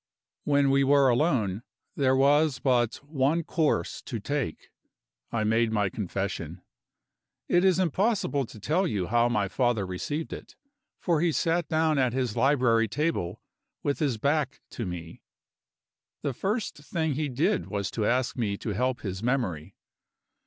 When we were alone, there was but one course to take; I made my confession. It is impossible to tell you how my father received it for he sat down at his library table with his back to me. The first thing he did was to ask me to help his memory.